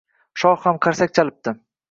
Shoh ham qarsak chalibdi